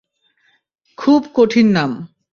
খুব কঠিন নাম।